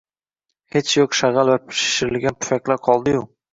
Hech yoʻq shagʻal va shishirilgan pufaklar qoldi-yu.